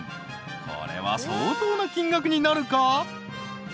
［これは相当な金額になるか？］